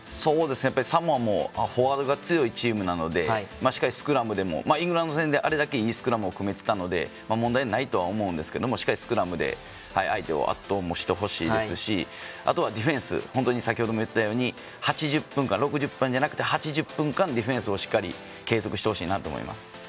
サモアもフォワードが強いチームなのでしっかりスクラムでもイングランド戦で、あれだけいいスクラム組めてたので問題ないとは思うんですけどしっかり、スクラムで相手を圧倒してほしいですしあとはディフェンス先ほども言ったように６０分じゃなくて８０分間ディフェンスをしっかり継続してほしいなと思います。